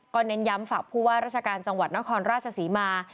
เน้นย้ำฝากผู้ว่าราชการจังหวัดนครราชศรีมา